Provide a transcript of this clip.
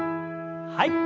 はい。